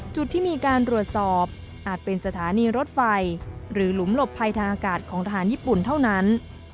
จุดที่มีการรวดสอบอาจเป็นสถานีรถไฟหรือหลุมหลบภัยทางอากาศของทหารญี่ปุ่นเท่านั้น